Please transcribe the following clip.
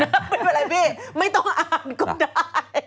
ไม่เป็นไรพี่ไม่ต้องอ่านก็ได้